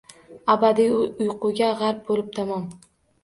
Abadiy uyquga g’arq bo’lib tamom